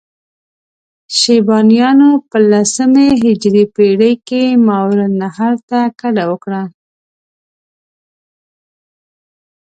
شیبانیانو په لسمې هجري پېړۍ کې ماورالنهر ته کډه وکړه.